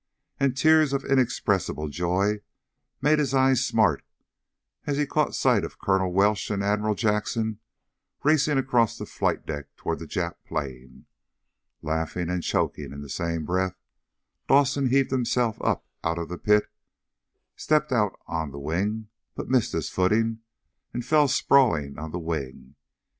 And tears of inexpressible joy made his eyes smart as he caught sight of Colonel Welsh and Admiral Jackson racing across the flight deck toward the Jap plane. Laughing and choking in the same breath, Dawson heaved himself up out of the pit, stepped out on the wing but missed his footing and fell sprawling on the wing.